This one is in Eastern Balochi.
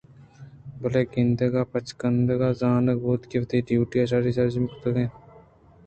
بلئے کندگ ءُبچکندگاں زانگ بوت کہ وتی ڈیوٹی شری ءَ سرجم کُرتگ اَت